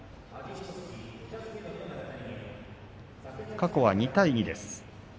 過去は２対２です。